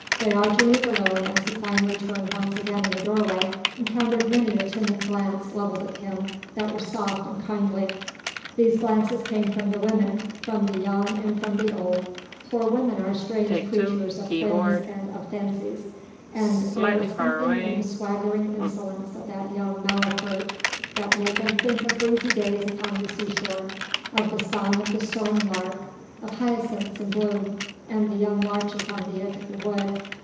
Diogenes alone as he finally turned once again in the doorway encountered many a timid glance levelled at him that were soft and kindly. These glances came from the women, from the young and from the old, for women are strange creatures of whims and of fancies, and there was something in the swaggering insolence of that young malapert that made them think of breezy days upon the sea shore, of the song of the soaring lark, of hyacinths in bloom and the young larches on the edge of the wood.